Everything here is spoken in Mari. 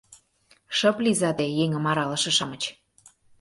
— Шып лийза те, еҥым аралыше-шамыч!